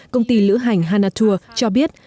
công ty lữ hành hanatour cho biết